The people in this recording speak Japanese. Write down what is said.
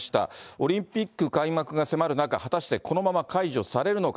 オリンピック開幕が迫る中、果たしてこのまま解除されるのか。